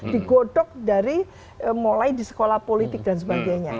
digodok dari mulai di sekolah politik dan sebagainya